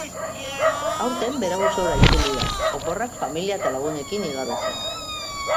Aurten bere auzora itzuli da, oporrak familia eta lagunekin igarotzera.